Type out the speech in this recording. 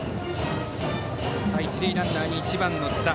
一塁ランナーに１番の津田。